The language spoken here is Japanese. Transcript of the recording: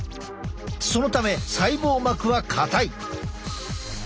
そのため細胞膜は硬い。